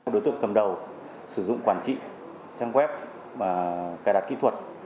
đối tượng cầm đầu sử dụng quản trị trang web và cài đặt kỹ thuật